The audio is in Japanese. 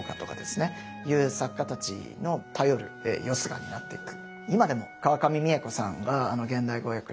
いう作家たちの頼るよすがになっていく。